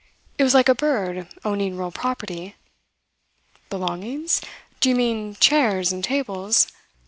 It was like a bird owning real property. "Belongings? Do you mean chairs and tables?"